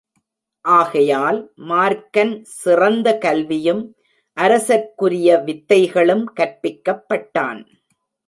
ஆகையால் மார்க்கன் சிறந்த கல்வியும் அரசர்க்குரிய வித்தைகளும் கற்பிக்கப் பட்டான்.